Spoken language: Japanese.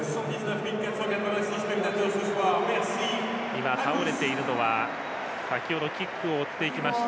今、倒れているのは先程キックを追っていきました